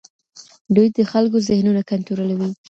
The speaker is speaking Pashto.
دوی د خلګو ذهنونه کنټرولوي.